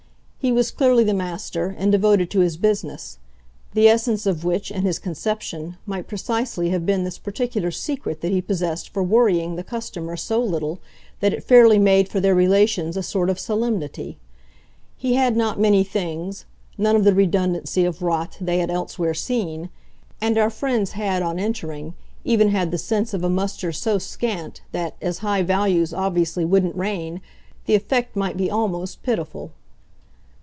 He was clearly the master, and devoted to his business the essence of which, in his conception, might precisely have been this particular secret that he possessed for worrying the customer so little that it fairly made for their relations a sort of solemnity. He had not many things, none of the redundancy of "rot" they had elsewhere seen, and our friends had, on entering, even had the sense of a muster so scant that, as high values obviously wouldn't reign, the effect might be almost pitiful.